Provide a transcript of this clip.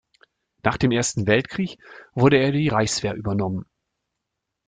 Nach dem Ersten Weltkrieg wurde er in die Reichswehr übernommen.